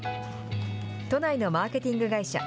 都内のマーケティング会社。